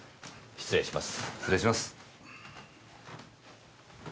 失礼します！